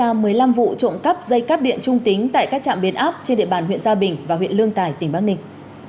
các đối tượng đã gây ra một mươi năm vụ trộm cắp dây cắp điện trung tính tại các trạm biến áp trên địa bàn huyện gia bình và huyện lương tài tỉnh bắc ninh